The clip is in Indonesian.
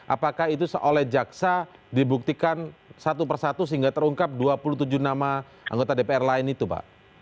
apakah itu seolah jaksa dibuktikan satu persatu sehingga terungkap dua puluh tujuh nama anggota dpr lain itu pak